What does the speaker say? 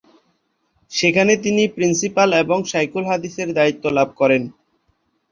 সেখানে তিনি প্রিন্সিপাল এবং শায়খুল-হাদিসের দায়িত্ব লাভ করেন।